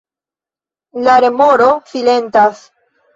La remoro silentas.